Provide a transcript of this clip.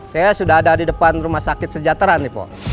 saya sudah ada di depan rumah sakit sejahtera nih pak